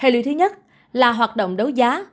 hệ lụy thứ nhất là hoạt động đấu giá